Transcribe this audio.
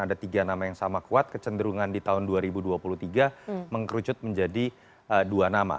ada tiga nama yang sama kuat kecenderungan di tahun dua ribu dua puluh tiga mengkerucut menjadi dua nama